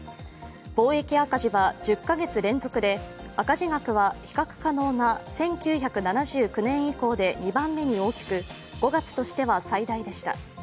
貿易赤字は１０カ月連続で、赤字額は比較可能な１９７９年以降で２番目に大きく、５月としては最大でした。